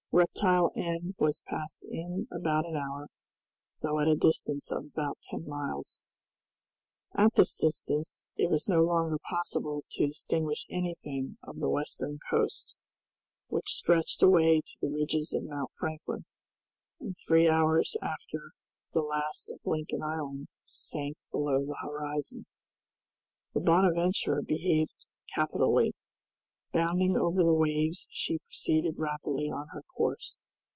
Reptile End was passed in about an hour, though at a distance of about ten miles. At this distance it was no longer possible to distinguish anything of the Western Coast, which stretched away to the ridges of Mount Franklin, and three hours after the last of Lincoln Island sank below the horizon. The "Bonadventure" behaved capitally. Bounding over the waves she proceeded rapidly on her course.